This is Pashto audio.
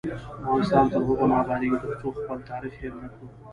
افغانستان تر هغو نه ابادیږي، ترڅو خپل تاریخ هیر نکړو.